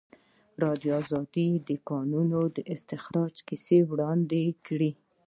ازادي راډیو د د کانونو استخراج کیسې وړاندې کړي.